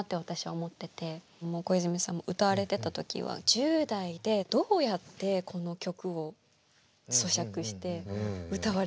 小泉さんも歌われてた時は１０代でどうやってこの曲をそしゃくして歌われてたんだろうって。